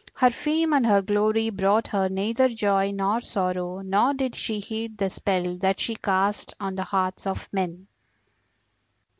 Her fame and her glory brought her neither joy nor sorrow, nor did she heed the spell that she cast on the hearts of men.